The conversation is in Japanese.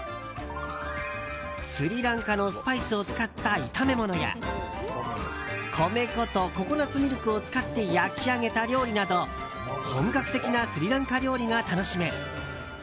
スリランカのスパイスを使った炒め物や米粉とココナツミルクを使って焼き上げた料理など本格的なスリランカ料理が楽しめる。